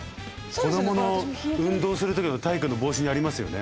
子どもの運動する時の体育の帽子にありますよね。